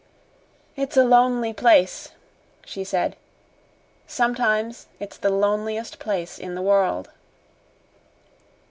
"It's a lonely place," she said. "Sometimes it's the loneliest place in the world."